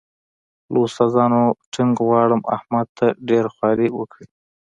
له استادانو ټینګ غواړم احمد ته ډېره خواري وکړي.